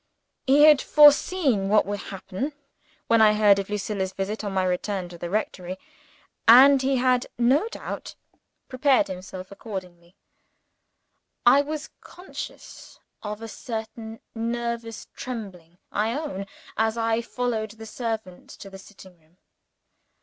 He had foreseen what would happen, when I heard of Lucilla's visit on my return to the rectory and he had, no doubt, prepared himself accordingly. I was conscious of a certain nervous trembling (I own) as I followed the servant to the sitting room.